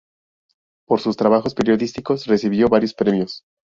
Por sus trabajos periodísticos recibió varios premios.